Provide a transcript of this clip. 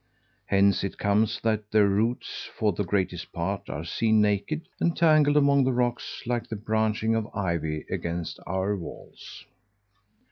Hence it comes that their roots, for the greatest part, are seen naked, entangled among the rocks like the branching of ivy against our walls.